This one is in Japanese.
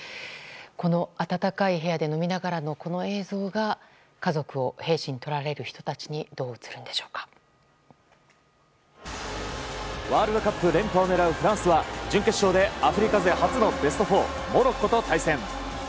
暖かい部屋で飲みながらのこの映像が、家族を兵士にとられる人たちにワールドカップ連覇を狙うフランスは準決勝でアフリカ勢初のベスト４モロッコと対戦。